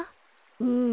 うん。